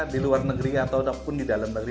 diluar negeri ataupun didalam negeri